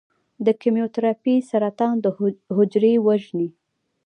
د کیموتراپي سرطان حجرو وژني.